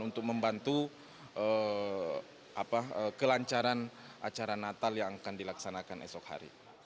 untuk membantu kelancaran acara natal yang akan dilaksanakan esok hari